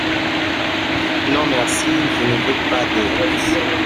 Non merci, je ne veux pas d’aide.